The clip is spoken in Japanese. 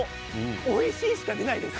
おいしいしか出ないです。